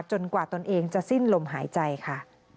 กว่าตนเองจะสิ้นลมหายใจค่ะ